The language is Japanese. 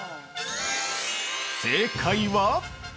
◆正解は？